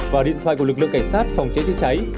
và điện thoại của lực lượng cảnh sát phòng chế chất cháy